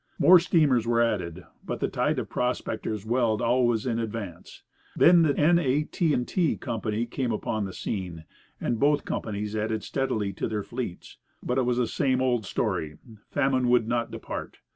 More steamers were added, but the tide of prospectors welled always in advance. Then the N. A. T. & T. Company came upon the scene, and both companies added steadily to their fleets. But it was the same old story; famine would not depart.